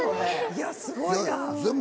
いやすごいな。